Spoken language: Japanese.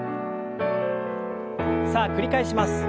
さあ繰り返します。